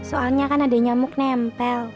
soalnya kan ada nyamuk nempel